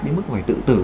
đến mức phải tự tử